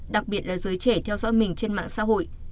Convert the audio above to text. đặc biệt là giới trẻ theo dõi mình trên mạng xã hội